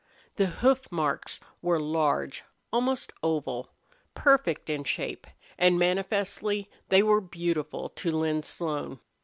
The hoof marks were large, almost oval, perfect in shape, and manifestly they were beautiful to Lin Slone.